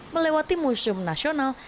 melewati museum nasional